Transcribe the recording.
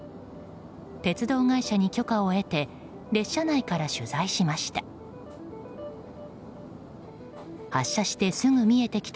鉄道会社に許可を得て列車内から取材しました。